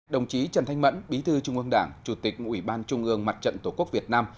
đồng chí trần thanh mẫn bí thư trung ương đảng chủ tịch ủy ban trung ương mặt trận tổ quốc việt nam